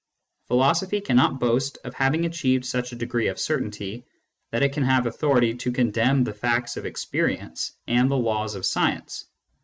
Philosophy cannot boast of having achieved such a degree of certainty that it can have authority to condemn the facts of experience and the laws of science.